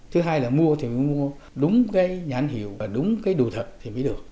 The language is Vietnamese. thứ hai là mua thì mua đúng cái nhãn hiệu và đúng cái đủ thật thì mới được